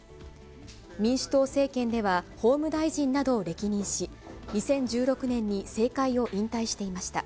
民主党政権では法務大臣などを歴任し、２０１６年に政界を引退していました。